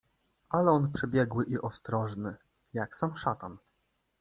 "Ale on przebiegły i ostrożny, jak sam szatan."